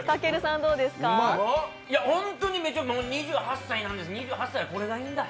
本当に２８歳なんです、２８歳、これがいいんだ。